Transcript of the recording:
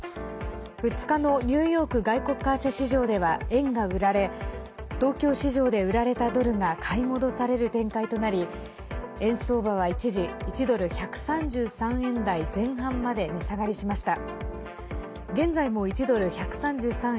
２日のニューヨーク外国為替市場では円が売られ東京市場で売られたドルが買い戻される展開となり円相場は一時１ドル＝１３３円台前半まで値下がりしました。